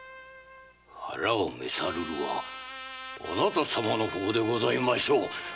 腹を召さるるはあなたさまの方でございましょう。